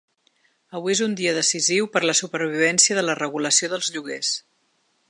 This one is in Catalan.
Avui és un dia decisiu per la supervivència de la regulació dels lloguers.